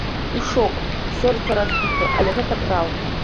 У шоку, сэрца разбітае, але гэта праўда.